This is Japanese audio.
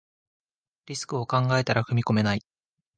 リスクを考えたら踏み込めない